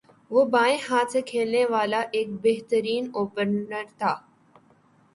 وہ بائیں ہاتھ سےکھیلنے والا ایک بہترین اوپنر تھا